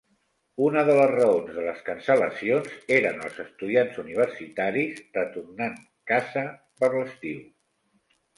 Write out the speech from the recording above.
Una de les raons de les cancel·lacions eren els estudiants universitaris retornant casa per l'estiu.